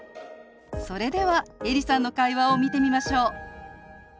それではエリさんの会話を見てみましょう。